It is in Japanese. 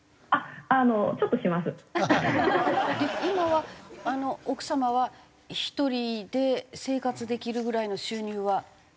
今は奥様は１人で生活できるぐらいの収入は？